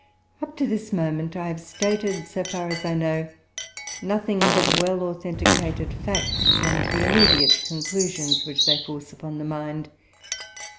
Up to this moment I have stated, so far as I know, nothing but well authenticated facts, and the immediate conclusions which they force upon the mind.